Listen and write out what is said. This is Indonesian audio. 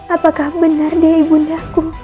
apakah benar dia ibu indahku